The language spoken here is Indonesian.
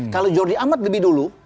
kalau jordi amat lebih dulu